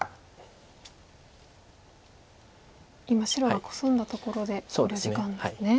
今白がコスんだところで考慮時間ですね。